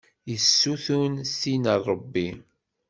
Yessutur tin a Ṛebbi.